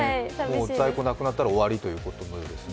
もう在庫がなくなったら終わりということですね。